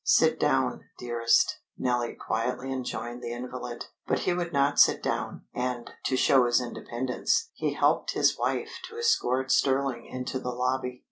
"Sit down, dearest," Nellie quietly enjoined the invalid. But he would not sit down, and, to show his independence, he helped his wife to escort Stirling into the lobby.